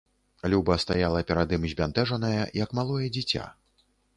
Люба стаяла перад ім збянтэжаная, як малое дзіця.